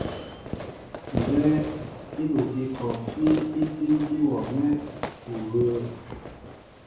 Nzɛ́ɛ́ íkukí kɔɔfí í sínti wɔ nɛ́ u wə̄ə̄.